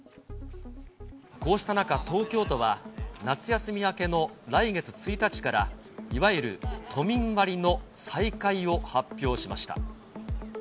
こうした中、東京都は、夏休み明けの来月１日からいわゆる都民割の再開を発表しました。